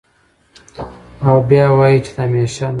او بيا وائې چې د همېشه نۀ دے